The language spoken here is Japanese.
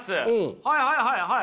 はいはいはいはい。